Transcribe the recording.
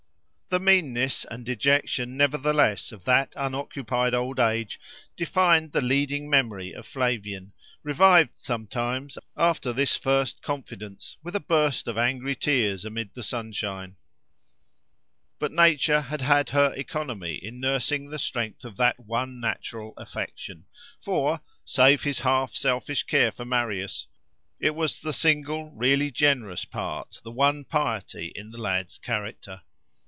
The meanness and dejection, nevertheless, of that unoccupied old age defined the leading memory of Flavian, revived sometimes, after this first confidence, with a burst of angry tears amid the sunshine. But nature had had her economy in nursing the strength of that one natural affection; for, save his half selfish care for Marius, it was the single, really generous part, the one piety, in the lad's character.